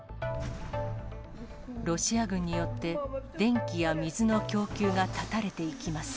ロシア軍によって、電気や水の供給が断たれていきます。